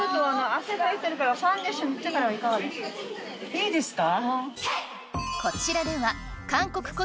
いいですか？